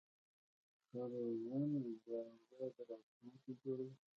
ښه روزنه د اولاد راتلونکی جوړوي.